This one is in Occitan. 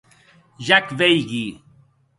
Ja 'c veigui.